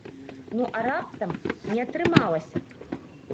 Ну а раптам не атрымалася б?